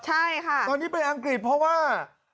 ใช่ค่ะตอนนี้ไปอังกฤษเพราะว่า